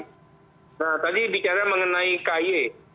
nah tadi bicara mengenai ky